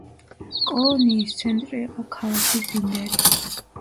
კოლონიის ცენტრი იყო ქალაქი ზინდერი.